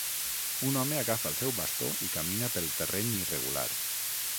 Un home agafa el seu bastó i camina pel terreny irregular.